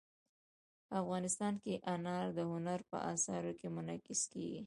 افغانستان کې انار د هنر په اثار کې منعکس کېږي.